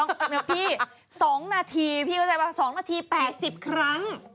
เดี๋ยวพี่๒นาทีพี่เข้าใจป่ะ๒นาที๘๐ครั้ง